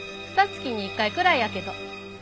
ふた月に１回くらいやけど。